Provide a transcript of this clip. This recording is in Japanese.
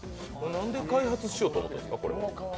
なんで開発しようと思ったんですか？